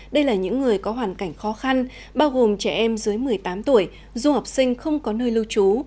đây là những người có hoàn cảnh khó khăn bao gồm trẻ em dưới một mươi tám tuổi du học sinh không có nơi lưu trú